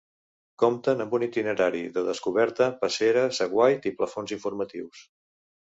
Compten amb un itinerari de descoberta, passeres, aguait i plafons informatius.